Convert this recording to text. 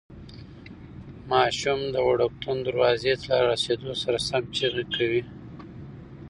ماشوم د وړکتون دروازې ته له رارسېدو سره سم چیغې کوي.